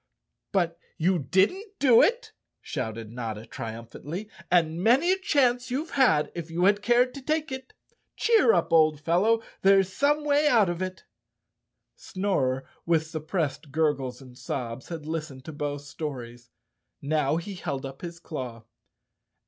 "But you didn't do it!" shouted Notta triumphantly. "And many a chance you've had if you had cared to take it. Cheer up, old fellow, there's some way out of it." 184 _ Chapter Thirteen Snorer with suppressed gurgles and sobs had lis¬ tened to both stories. Now he held up his claw.